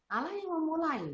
allah yang memulai